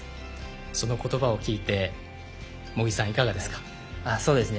そのことばを聞いて茂木さん、いかがですか？